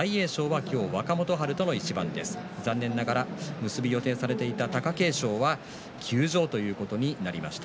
残念ながら結び予定されていた貴景勝は休場ということになりました。